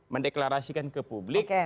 mendeklarasikan ke publik